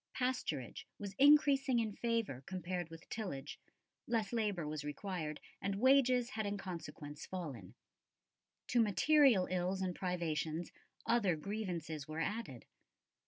Pasturage was increasing in favour compared with tillage; less labour was required, and wages had in consequence fallen. To material ills and privations, other grievances were added.